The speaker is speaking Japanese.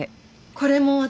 これも私。